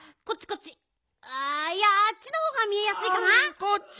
こっちいやあっちのほうが見えやすいかな。